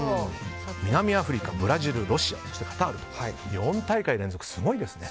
南アフリカ、ブラジル、ロシアそしてカタールと４大会連続、すごいですね。